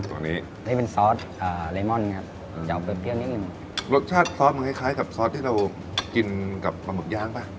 อันนี้นี่เป็นซอสเลมอนครับจะเอาเปรี้ยวนิดนึงรสชาติซอสมันคล้ายกับซอสที่เรากินกับปลาหมึกย่างป่ะ